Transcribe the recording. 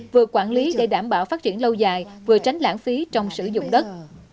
vừa quản lý để đảm bảo phát triển lâu dài vừa tránh lãng phí trong sử dụng đất